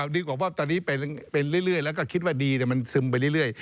ดีกว่าว่าตอนนี้ไปเรื่อยแล้วก็คิดว่าดีแต่มันซึมไปเรื่อย